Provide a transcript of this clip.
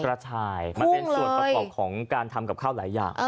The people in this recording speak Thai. กระชายมันเป็นส่วนประกอบของการทำกับข้าวหลายอย่าง